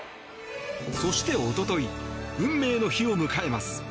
そしておととい、運命の日を迎えます。